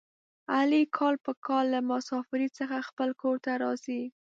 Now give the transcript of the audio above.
علي کال په کال له مسافرۍ څخه خپل کورته راځي.